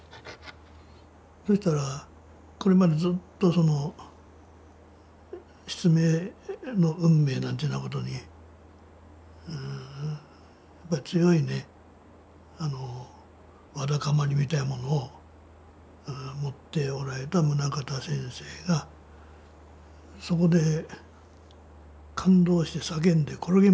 そしたらこれまでずっとその失明の運命なんていうようなことに強いねわだかまりみたいなものを持っておられた棟方先生がそこで感動して叫んで転げ回ったっちゅう。